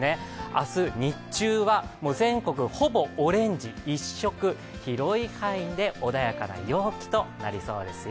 明日、日中は全国ほぼオレンジ一色、広い範囲で穏やかな陽気となりそうですよ。